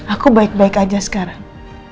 aku baik baik aja sekarang